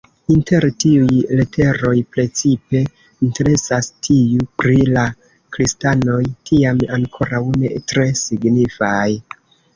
Inter tiuj leteroj precipe interesas tiu pri la kristanoj, tiam ankoraŭ ne tre signifaj.